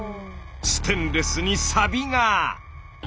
ステンレスにサビが。